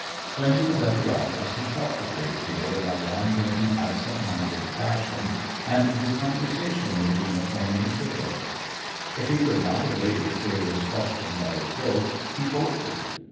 When he was at the office he talked a good deal in a wandering, absent minded fashion, and his conversation was uniformly frivolous. If he could not evade a serious question by a joke, he bolted.